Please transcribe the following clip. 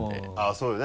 そうよね